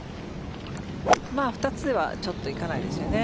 ２つではちょっといかないですよね。